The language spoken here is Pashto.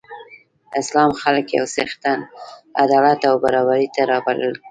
اسلام خلک یو څښتن، عدالت او برابرۍ ته رابلل.